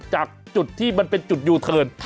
จากจุดที่มันเป็นจุดยูเทิร์น